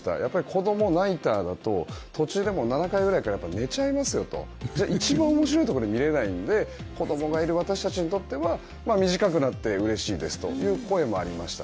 子供、ナイターだと途中、７回ぐらいから寝て一番面白いところで見られないので子供がいる私たちにとっては短くなってうれしいですという声でした。